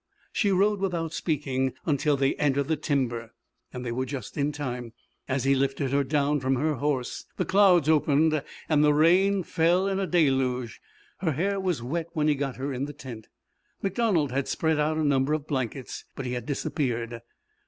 She rode without speaking until they entered the timber. They were just in time. As he lifted her down from her horse the clouds opened, and the rain fell in a deluge. Her hair was wet when he got her in the tent. MacDonald had spread out a number of blankets, but he had disappeared.